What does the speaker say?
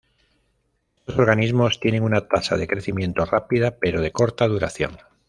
Estos organismos tienen una tasa de crecimiento rápida pero de corta duración.